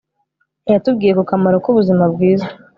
yatubwiye ku kamaro k'ubuzima bwiza